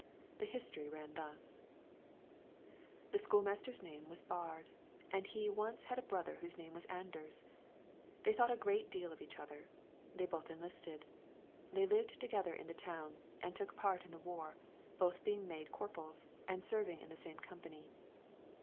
The history ran thus: The school master's name was Baard, and he once had a brother whose name was Anders. They thought a great deal of each other; they both enlisted; they lived together in the town, and took part in the war, both being made corporals, and serving in the same company.